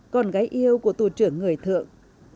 con gái yêu của tù trưởng người thượng